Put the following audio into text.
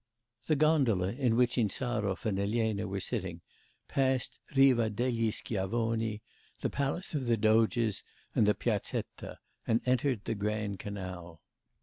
The gondola in which Insarov and Elena were sitting passed Riva dei Schiavoni, the palace of the Doges, and Piazzetta, and entered the Grand Canal.